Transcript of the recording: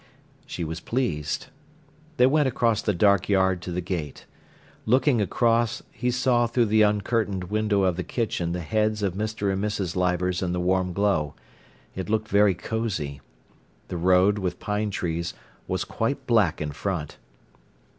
She was pleased. They went across the dark yard to the gate. Looking across, he saw through the uncurtained window of the kitchen the heads of Mr. and Mrs. Leivers in the warm glow. It looked very cosy. The road, with pine trees, was quite black in front.